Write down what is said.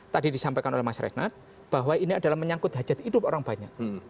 tadi disampaikan oleh mas renat bahwa ini adalah menyangkut hajat hidup orang banyak